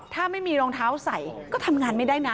ถ้าไม่มีรองเท้าใส่ก็ทำงานไม่ได้นะ